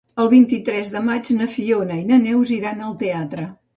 El vint-i-tres de maig na Fiona i na Neus iran al teatre.